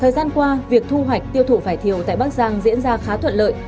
thời gian qua việc thu hoạch tiêu thụ vải thiều tại bắc giang diễn ra khá thuận lợi